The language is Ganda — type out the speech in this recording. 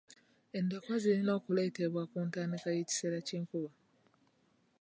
Endokwa zirina okuleetebwa ku ntandikwa y'ekiseera ky'enkuba.